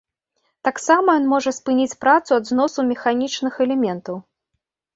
Таксама ён можа спыніць працу ад зносу механічных элементаў.